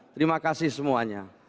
terima kasih semuanya